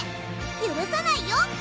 ゆるさないよ！